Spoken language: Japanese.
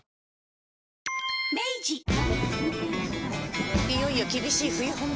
このあといよいよ厳しい冬本番。